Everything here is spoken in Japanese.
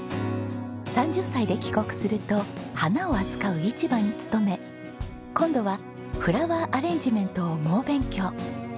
３０歳で帰国すると花を扱う市場に勤め今度はフラワーアレンジメントを猛勉強。